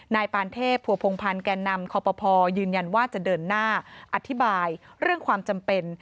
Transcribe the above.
นายปานเทพผัวพงพันธ์แก่นำคอปภยืนยันว่าจะเดินหน้าอธิบายเรื่องความจำเป็น